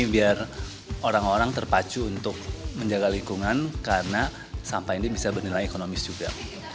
biar orang orang terpacu untuk menjaga lingkungan karena sampah ini bisa bernilai ekonomis juga